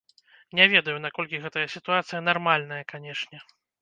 Не ведаю, наколькі гэтая сітуацыя нармальная, канешне.